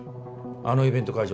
あのイベント会場